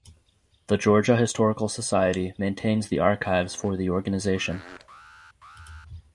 The Georgia Historical Society maintains the archives for the organization.